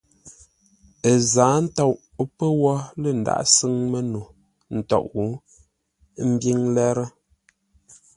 Ə́ zǎa ntôʼ pə́ wó lə̂ ndághʼ sʉ́ŋ məno ntôʼ, ə́ mbíŋ lérə́.